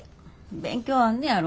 勉強あんねやろ。